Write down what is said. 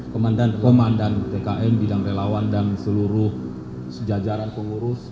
komandan komandan tkn bidang relawan dan seluruh sejajaran pengurus